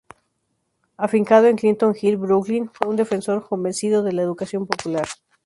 Afincado en Clinton Hill, Brooklyn, fue un defensor convencido de la educación popular.